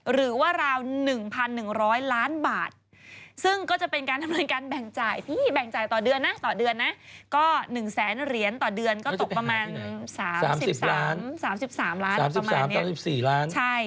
หรือว่าราว๑๑๐๐ล้านบาทซึ่งก็จะเป็นการทำเรื่องการแบ่งจ่ายต่อเดือนนะก็๑๐๐๐๐๐เหรียญต่อเดือนก็ตกประมาณ๓๓๓๔๐๐๐บาท